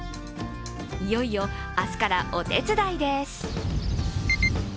いよいよ明日からお手伝いです。